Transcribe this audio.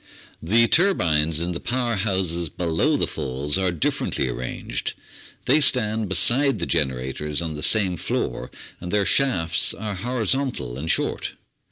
The turbines in the power houses below the Falls are differ ently arranged. They stand beside the generators on the same floor, and their shafts are horizontal and short.